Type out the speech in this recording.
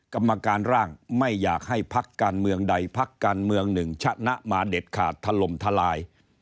กรรมการร่างไม่อยากให้พักการเมืองใดพักการเมืองหนึ่งชนะมาเด็ดขาดถล่มทลาย